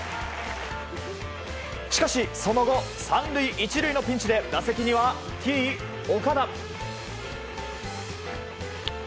しかしその後３塁１塁のピンチで打席にはＴ‐岡田。